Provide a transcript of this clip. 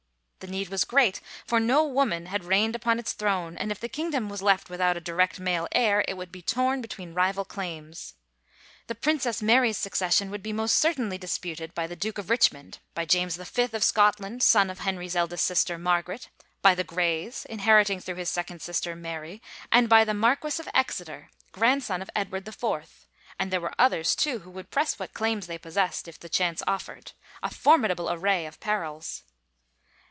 The need was great, for no woman had reigned upon its throne, and if the kingdom was left without a direct male heir it would be torn between rival claims. The Princess Mary's succession would be most certainly dis puted by the Duke of Richmond, by James the Fifth of Scotland, son of Henry's eldest sister, Margaret, by the Greys, inheriting through his second sister, Mary, and by the Marquis of Exeter, grandson of Edward the Fourth; and there were others, too, who would press what claims they possessed if the chance offered. A formidable array of perils!